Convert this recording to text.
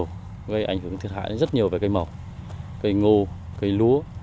rất nhiều gây ảnh hưởng thiệt hại rất nhiều về cây mộc cây ngô cây lúa